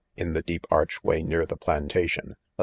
In the 'deep archway near the plantation, a